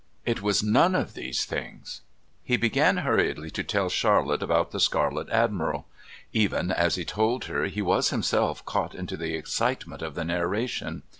it was none of these things. He began hurriedly to tell Charlotte about the Scarlet Admiral. Even as he told her he was himself caught into the excitement of the narration.